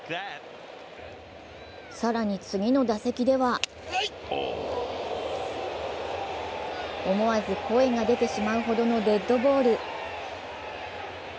更に次の打席では思わず声が出てしまうほどのデッドボール。